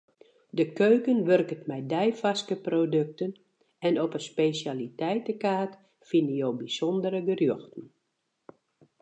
De keuken wurket mei deifarske produkten en op 'e spesjaliteitekaart fine jo bysûndere gerjochten.